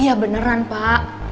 iya beneran pak